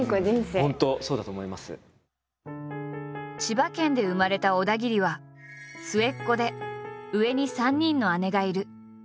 千葉県で生まれた小田切は末っ子で上に３人の姉がいる。